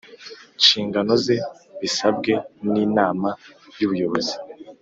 nshingano ze bisabwe n Inama y Ubuyobozi